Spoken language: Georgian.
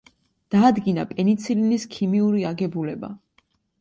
დაადგინა პენიცილინის ქიმიური აგებულება.